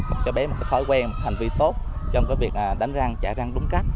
bé sẽ có thói quen hành vi tốt trong việc đánh răng chạy răng đúng cách